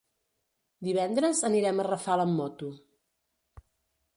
Divendres anirem a Rafal amb moto.